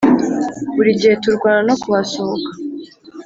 burigihe turwana no kuhasohoka